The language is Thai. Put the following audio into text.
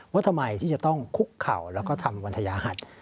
ว่าทำไมที่จะต้องคุกเข่าแล้วก็ทำวันทยาหัส